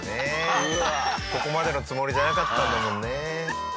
ここまでのつもりじゃなかったんだもんね。